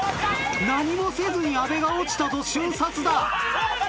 何もせずに阿部が落ちたぞ瞬殺だ。